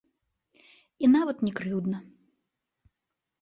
І нават не крыўдна.